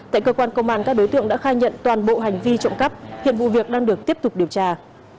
tại cơ quan công an các đối tượng đã khai nhận toàn bộ hành vi trộm cắp hiện vụ việc đang được tiếp tục điều tra